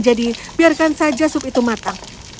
jadi biarkan saja sup itu matang